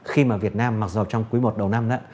khi mà việt nam mặc dù trong quý một đầu năm